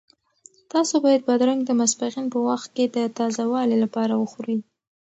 تاسو باید بادرنګ د ماسپښین په وخت کې د تازه والي لپاره وخورئ.